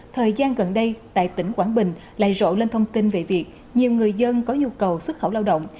thời gian gần đây tại tỉnh quảng bình lại rộ lên thông tin về việc nhiều người dân có nhu cầu xuất khẩu lao động